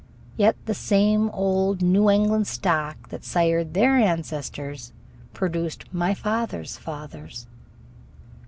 Yet the same old New England stock that sired their ancestors produced my father's fathers.